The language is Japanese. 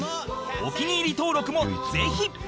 お気に入り登録もぜひ！